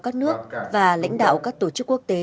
các nước và lãnh đạo các tổ chức quốc tế